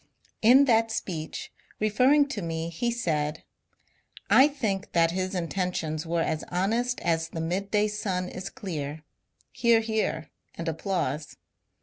In that speech, referring to me he said :— I think that his intentions were as honest as the midday sun is clear. (Hear, hear, and applause.)